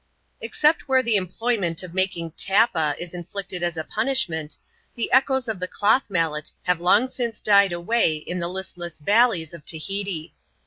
Except where the employment of making " tappa *' is inflicted as a punishment, the echoes of the cloth mallet have long since died away in the listless valleys of Tahiti.